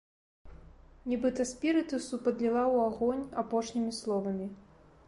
Нібыта спірытусу падліла ў агонь апошнімі словамі.